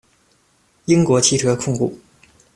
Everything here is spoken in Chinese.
英国汽车控股。